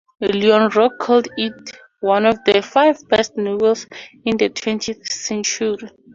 Leon Rooke called it one of the five best novels of the twentieth century.